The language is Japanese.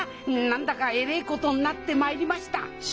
何だかえれえことになってまいりました